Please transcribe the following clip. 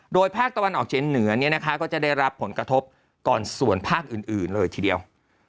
โดยภาคตะวันออกเฉียงเหนือเนี่ยนะคะก็จะได้รับผลกระทบก่อนส่วนภาคอื่นเลยทีเดียว